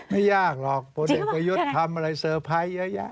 ไม่ยากหรอกเพราะเด็กไปยุธทำอะไรเซอร์ไพร์เยอะ